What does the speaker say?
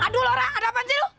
aduh laura ada apaan sih lu